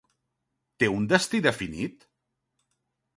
Té un destí definit?